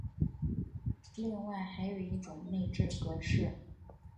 另外还有一种内置格式。